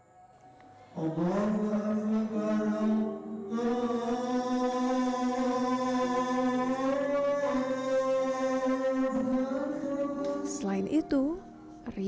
tidak ada jadinya aku jualan setelah sendiri